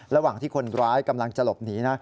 ระหว่างที่คนร้ายกำลังจะหลบหนีนะ